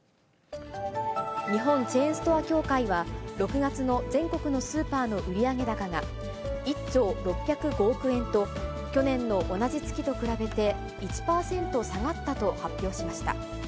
日本チェーンストア協会は、６月の全国のスーパーの売上高が、１兆６０５億円と、去年の同じ月と比べて、１％下がったと発表しました。